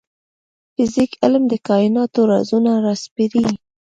فزیک علم د کایناتو رازونه راسپړي